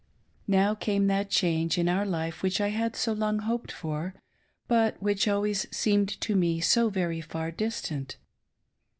Now came that change in our life which I had so long hoped for, but which had always seemed to me so very far distant.